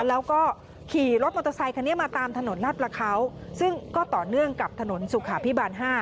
แล้วก็ขี่รถมอเตอร์ไซคันนี้มาตามถนนนัดประเขาซึ่งก็ต่อเนื่องกับถนนสุขาพิบาล๕